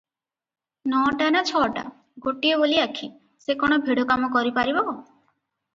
ନଅଟା ନା ଛଅଟା! ଗୋଟାଏ ବୋଲି ଆଖି, ସେ କଣ ଭିଡ଼ କାମ କରିପାରିବ?